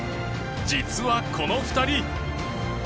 実は、この２人。